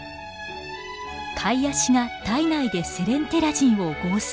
カイアシが体内でセレンテラジンを合成。